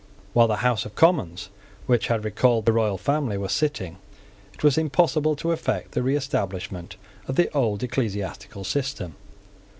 While the House of Commons which had recalled the royal family was sitting, it was impossible to effect the re establishment of the old ecclesiastical system.